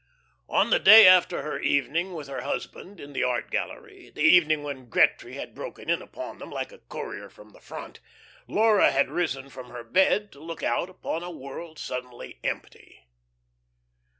On the day after her evening with her husband in the art gallery, the evening when Gretry had broken in upon them like a courier from the front, Laura had risen from her bed to look out upon a world suddenly empty.